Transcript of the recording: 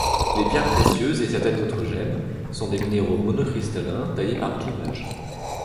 Les pierres précieuses, et certaines autres gemmes, sont des minéraux monocristallins taillés par clivage.